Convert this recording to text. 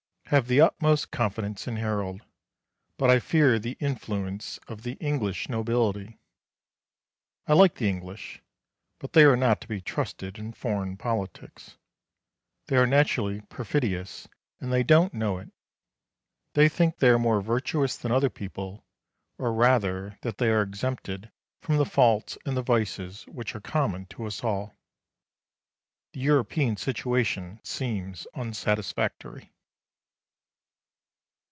Have the utmost confidence in Harold; but I fear the influence of the English nobility. I like the English; but they are not to be trusted in foreign politics. They are naturally perfidious, and they don't know it. They think they are more virtuous than other people; or rather that they are exempted from the faults and the vices which are common to us all. The European situation seems unsatisfactory.